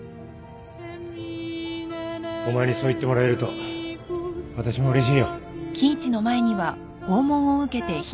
お前にそう言ってもらえると私もうれしいよ